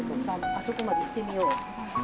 あそこまで行ってみよう。